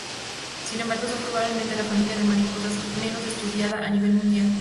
Sin embargo son probablemente la familia de mariposas menos estudiada a nivel mundial.